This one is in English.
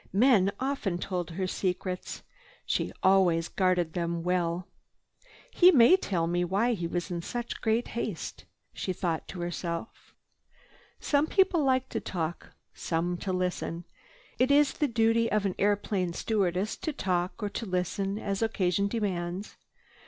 Men often told her secrets. She always guarded them well. "He may tell me why he was in such great haste," she thought to herself. Some people like to talk, some to listen. It is the duty of an airplane stewardess to talk or to listen as occasion demands.